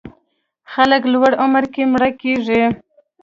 خلک لوړ عمر کې مړه کېږي.